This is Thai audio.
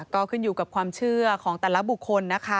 ก็ขึ้นอยู่กับความเชื่อของแต่ละบุคคลนะคะ